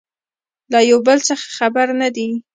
له يو بل څخه خبر نه دي